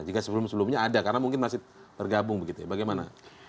jika sebelum sebelumnya ada karena mungkin masih bergabung begitu ya bagaimana